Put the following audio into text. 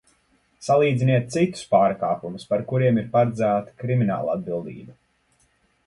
Salīdziniet citus pārkāpumus, par kuriem ir paredzēta kriminālatbildība!